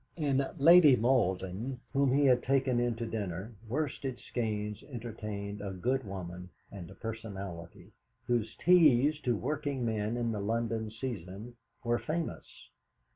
In Lady Malden, whom he had taken in to dinner, Worsted Skeynes entertained a good woman and a personality, whose teas to Working Men in the London season were famous.